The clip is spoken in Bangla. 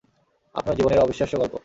আপনার জীবনের অবিশ্বাস্য গল্প।